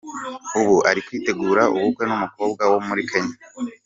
Ubu, aritegura ubukwe n’umukobwa wo muri Kenya.